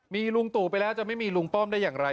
มีลุงตู่ไปแล้วจะไม่มีลุงป้อมได้อย่างไร